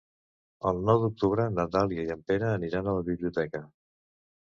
El nou d'octubre na Dàlia i en Pere aniran a la biblioteca.